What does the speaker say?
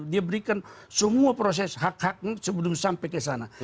dia berikan semua proses hak hak sebelum sampai ke sana